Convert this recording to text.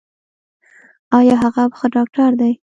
ایا هغه ښه ډاکټر دی؟